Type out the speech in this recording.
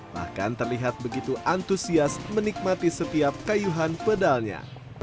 bahkan terlihat begitu antusias menikmati setiap kayuhan pedalnya